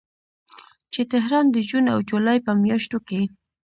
چې تهران د جون او جولای په میاشتو کې